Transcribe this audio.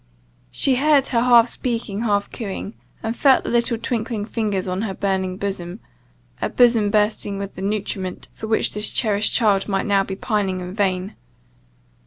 She heard her half speaking half cooing, and felt the little twinkling fingers on her burning bosom a bosom bursting with the nutriment for which this cherished child might now be pining in vain.